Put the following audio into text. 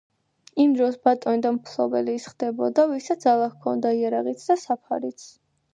იმ დროს ბატონი და მფლობელი ის ხდებოდა, ვისაც ძალა ჰქონდა, იარაღიც და საფარიც.